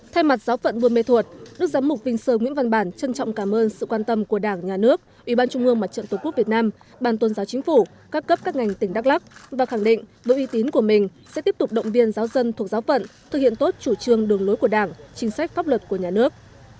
thay mặt giáo phận buôn mê thuột đức giám mục vinh sơn nguyễn văn bản trân trọng cảm ơn sự quan tâm của đảng nhà nước ủy ban trung ương mặt trận tổ quốc việt nam ban tôn giáo chính phủ các cấp các ngành tỉnh đắk lắc và khẳng định với uy tín của mình sẽ tiếp tục động viên giáo dân thuộc giáo phận thực hiện tốt chủ trương đường lối của đảng chính sách pháp luật của nhà nước